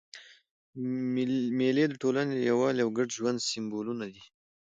مېلې د ټولني د یووالي او ګډ ژوند سېمبولونه دي.